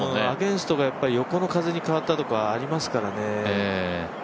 アゲンストが横の風に変わったとかありますからね。